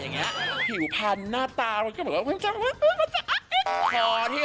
ก็เลยหายออกไปอย่างนี้